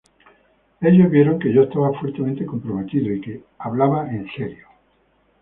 Ellos vieron que yo estaba fuertemente comprometido, y que yo hablaba en serio".